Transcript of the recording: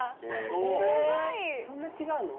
そんな違うの？